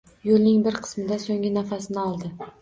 Yo‘lining bir qismida so‘nggi nafasini oldi